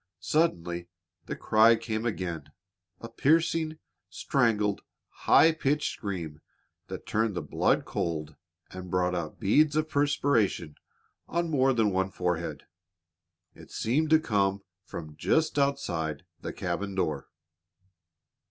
Suddenly the cry came again, a piercing, strangled, high pitched scream that turned the blood cold and brought out beads of perspiration on more than one forehead. It seemed to come from just outside the cabin door.